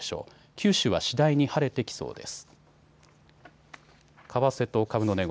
九州は次第に晴れてきそうです。